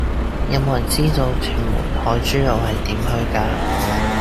有無人知道屯門海珠路係點去㗎